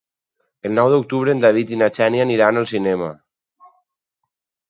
El nou d'octubre en David i na Xènia aniran al cinema.